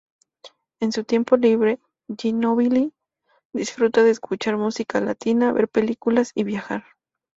En su tiempo libre, Ginóbili disfruta de escuchar música latina, ver películas y viajar.